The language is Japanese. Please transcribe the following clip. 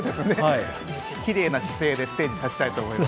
スッキリな姿勢でステージに立ちたいと思います。